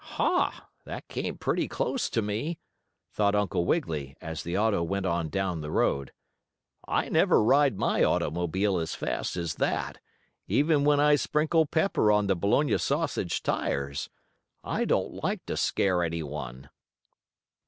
"Ha! That came pretty close to me," thought Uncle Wiggily, as the auto went on down the road. "I never ride my automobile as fast as that, even when I sprinkle pepper on the bologna sausage tires. I don't like to scare any one."